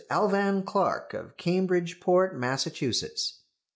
Alvan Clark of Cambridgeport, Massachusetts.